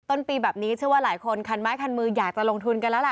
ต้นปีแบบนี้เชื่อว่าหลายคนคันไม้คันมืออยากจะลงทุนกันแล้วล่ะ